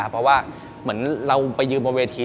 เพราะว่าเหมือนเราไปยืนบนเวที